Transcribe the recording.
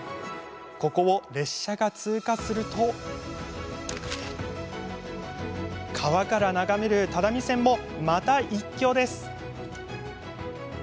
ここを列車が通過すると川から眺める只見線もまた一興。